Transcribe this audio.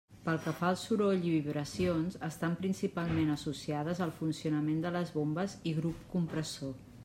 Pel que fa a soroll i vibracions, estan principalment associades al funcionament de les bombes i grup compressor.